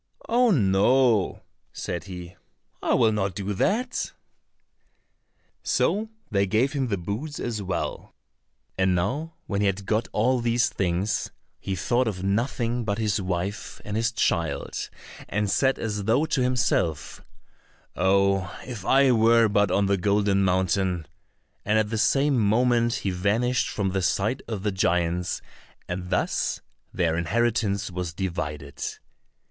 "Oh, no," said he, "I will not do that." So they gave him the boots as well. And now when he had got all these things, he thought of nothing but his wife and his child, and said as though to himself, "Oh, if I were but on the Golden Mountain," and at the same moment he vanished from the sight of the giants, and thus their inheritance was divided.